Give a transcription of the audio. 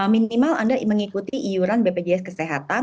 minimal anda mengikuti iuran bpjs kesehatan